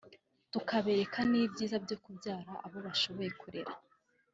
tukabereka n’ibyiza byo kubyara abo bashoboye kurera